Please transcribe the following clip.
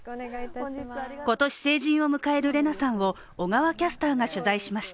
今年、成人を迎えるレナさんを小川キャスターが取材しました。